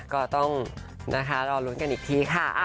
ก็ต้องนะคะรอลุ้นกันอีกทีค่ะ